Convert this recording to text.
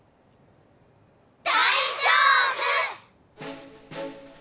大丈夫！